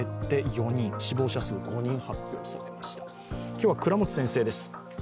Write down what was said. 今日は倉持先生です。